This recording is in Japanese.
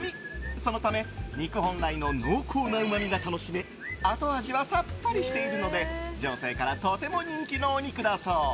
そのため肉本来の濃厚なうまみが楽しめ後味はさっぱりしているので女性からとても人気のお肉だそう。